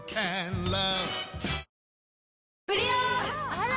あら！